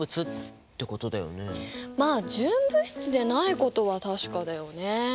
まあ純物質でないことは確かだよね。